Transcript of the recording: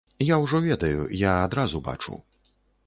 Я ўжо ведаю, я адразу бачу.